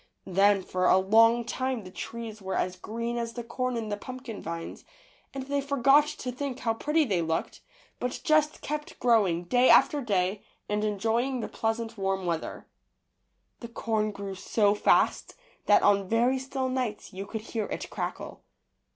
Then for a long time the trees were as green as the corn and the pumpkin vines, and they forgot to think how pretty they looked, but WHAT THE SUN DID. 107 just kept growing day after day and enjoying the pleasant warm weather. The corn grew so fast that on very still nights you could hear it crackle.